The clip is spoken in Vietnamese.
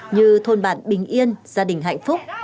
như thôn bản bình yên gia đình hạnh phúc